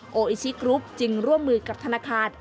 โออิชิกรุ๊ปจึงร่วมมือกับธนาคาร